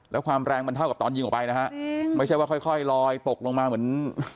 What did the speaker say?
แล้วความแรงมันเท่ากับตอนยิงออกไปนะฮะไม่ใช่ว่าค่อยลอยตกลงมาเหมือน